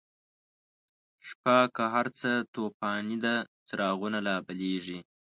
شپه که هرڅه توفانیده، څراغونه لابلیږی